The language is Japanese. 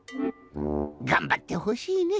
がんばってほしいね！